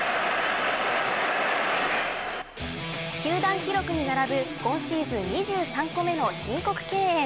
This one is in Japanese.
球団記録に並ぶ今シーズン２３個目の申告敬遠。